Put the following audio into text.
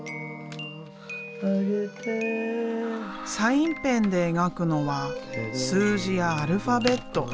サインペンで描くのは数字やアルファベット。